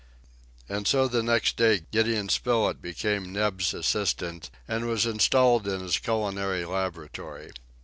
And so the next day Gideon Spilett became Neb's assistant and was installed in his culinary laboratory.